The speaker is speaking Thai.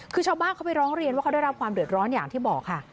คือชาวบ้านเขาไปร้องเรียนว่าเขาได้รับความเดือดร้อนอย่างที่บอกค่ะ